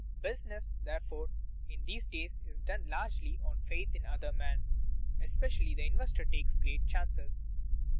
Business, therefore, in these days is done largely on faith in other men. Especially the investor takes great chances.